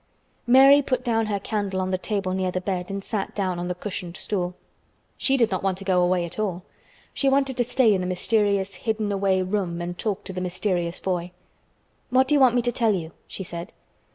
Mary put down her candle on the table near the bed and sat down on the cushioned stool. She did not want to go away at all. She wanted to stay in the mysterious hidden away room and talk to the mysterious boy. "What do you want me to tell you?" she said.